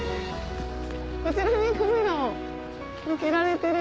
こちらにカメラを向けられてる。